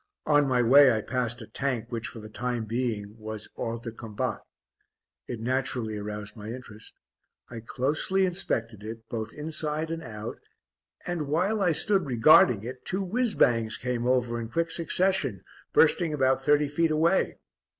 On my way I passed a Tank which, for the time being, was hors de combat. It naturally aroused my interest. I closely inspected it, both inside and out, and, while I stood regarding it, two whizz bangs came over in quick succession, bursting about thirty feet away.